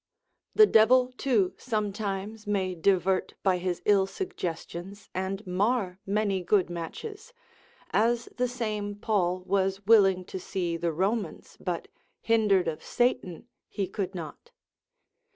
The devil too sometimes may divert by his ill suggestions, and mar many good matches, as the same Paul was willing to see the Romans, but hindered of Satan he could not.